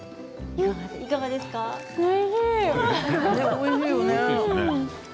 おいしいよね。